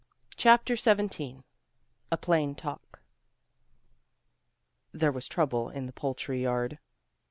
CHAPTER XVII A PLAIN TALK There was trouble in the poultry yard.